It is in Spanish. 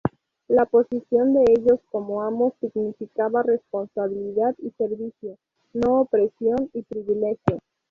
La posición de ellos como amos significaba responsabilidad y servicio, no opresión y privilegio.